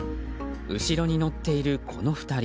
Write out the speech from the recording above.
後ろに乗っているこの２人。